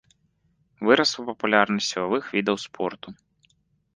Вырасла папулярнасць сілавых відаў спорту.